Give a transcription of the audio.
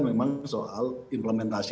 memang soal implementasi